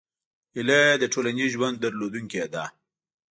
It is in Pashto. هیلۍ د ټولنیز ژوند درلودونکې ده